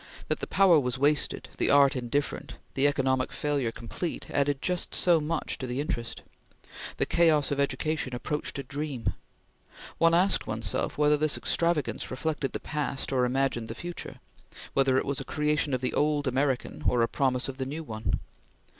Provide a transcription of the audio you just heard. That the power was wasted, the art indifferent, the economic failure complete, added just so much to the interest. The chaos of education approached a dream. One asked one's self whether this extravagance reflected the past or imaged the future; whether it was a creation of the old American or a promise of the new one.